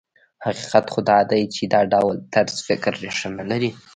حقیقت خو دا دی چې دا ډول طرز فکر ريښه نه لري.